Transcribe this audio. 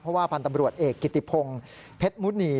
เพราะว่าพันธบรวจเอกกิติพงเพชรมุษนี่